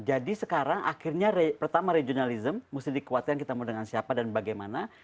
jadi sekarang akhirnya pertama regionalisme mesti dikuatkan kita mau dengan siapa dan bagaimana